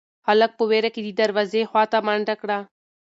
هلک په وېره کې د دروازې خواته منډه کړه.